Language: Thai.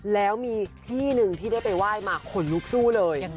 แล้วมีที่หนึ่งที่ได้ไปไหว้มาขนลุกสู้เลย